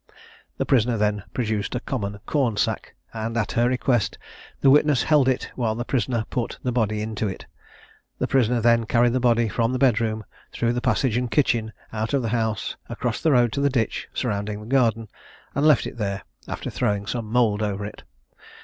The prisoner then produced a common corn sack, and, at her request, the witness held it whilst the prisoner put the body into it; the prisoner then carried the body from the bed room, through the passage and kitchen, out of the house, across the road to the ditch surrounding the garden, and left it there, after throwing some mould over it.